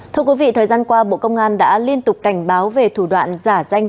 thưa quý vị thời gian qua bộ công an đã liên tục cảnh báo về thủ đoạn giả danh